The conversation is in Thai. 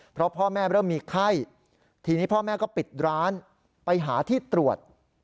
เพราะพ่อแม่เริ่มมีไข้ทีนี้พ่อแม่ก็ปิดร้านไปหาที่ตรวจ